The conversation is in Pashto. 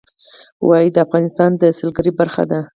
وادي د افغانستان د سیلګرۍ برخه ده.